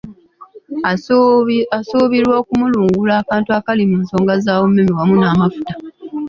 Asuubirwa okumulungula akattu akali mu nsonga za UMEME wamu n’amafuta.